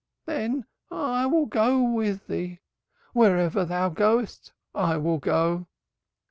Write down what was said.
"Then I will go with thee. Wherever thou goest I will go."